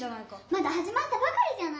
まだはじまったばかりじゃないの。